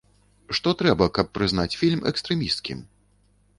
Што трэба, каб прызнаць фільм экстрэмісцкім?